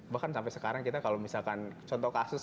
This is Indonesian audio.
bahkan sampai sekarang kita kalau misalkan contoh kasus